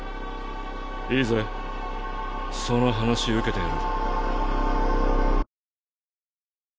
いいぜその話受けてやる。